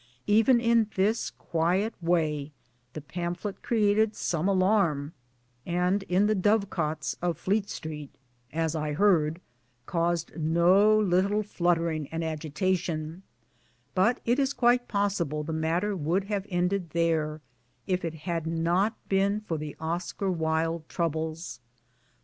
Even in this quiet way the pamphlet created some alarm and in the dove cotes of Fleet Street (as I 196 MY DAYS AND DREAMS heard) caused no little fluttering and agitation ; but it is quite possible the matter would have ended there, if it had not been for the Oscar Wilde troubles.